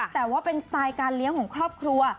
แต่ว่าเป็นสไตล์การเลี้ยงของครอบครัว